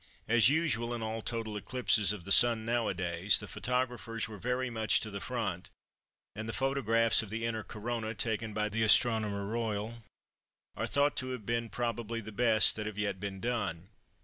As usual in all total eclipses of the Sun nowadays, the photographers were very much to the front, and the photographs of the inner Corona, taken by the Astronomer Royal, are thought to have been probably the best that have yet been done.